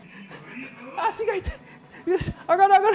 足が痛い。